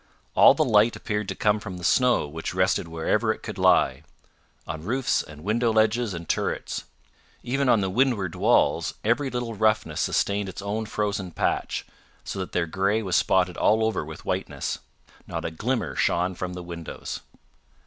All the light appeared to come from the snow which rested wherever it could lie on roofs and window ledges and turrets. Even on the windward walls, every little roughness sustained its own frozen patch, so that their grey was spotted all over with whiteness. Not a glimmer shone from the windows.